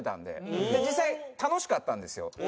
で実際楽しかったんですよ。